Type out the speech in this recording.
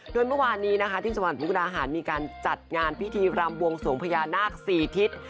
โดยเมื่อวานนี้นะคะที่จังหวัดมุกดาหารมีการจัดงานพิธีรำบวงสวงพญานาค๔ทิศ